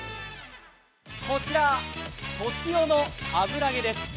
こちら栃尾の油揚げです。